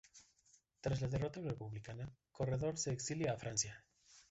Tras la derrota republicana, Corredor se exilia a Francia.